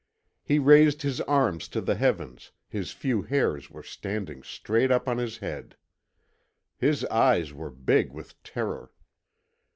He raised his arms to the heavens, his few hairs were standing straight up on his head. His eyes were big with terror.